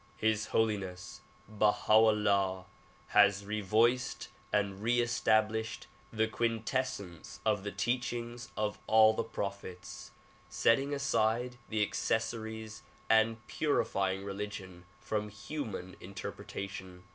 His Holiness Baha 'Ullah has revoiced and re established the quintes sence of the teachings of all the prophets, setting aside the acces sories and purifying religion from human interpretation.